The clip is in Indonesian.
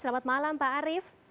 selamat malam pak arief